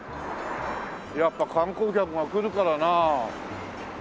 やっぱ観光客が来るからなあ。